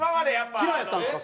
嫌いやったんですか？